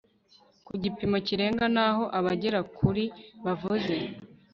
ku gipimo kirenga naho abagera kuri bavuze